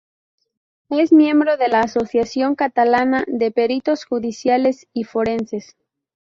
Es miembro de la Asociación Catalana de Peritos Judiciales y Forenses.